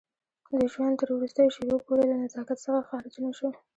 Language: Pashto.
د ژوند تر وروستیو شېبو پورې له نزاکت څخه خارج نه شو.